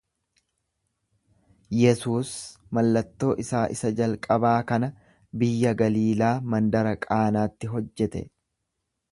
Yesuus mallattoo isaa isa jalqabaa kana biyya Galiilaa mandara Qaanaatti hojjete.